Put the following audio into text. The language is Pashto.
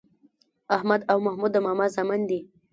احمد او محمود د ماما زامن دي